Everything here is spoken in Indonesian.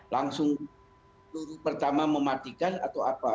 langsung peluru pertama mematikan atau apa